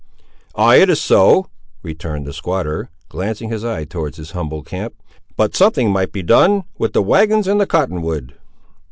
"Ay, it is so," returned the squatter, glancing his eye towards his humble camp; "but something might be done, with the wagons and the cotton wood."